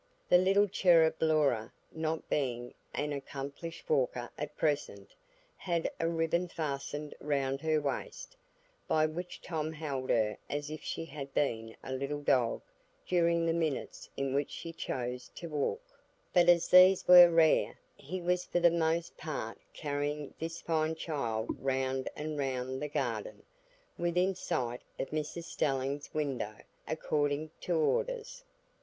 The little cherub Laura, not being an accomplished walker at present, had a ribbon fastened round her waist, by which Tom held her as if she had been a little dog during the minutes in which she chose to walk; but as these were rare, he was for the most part carrying this fine child round and round the garden, within sight of Mrs Stelling's window, according to orders.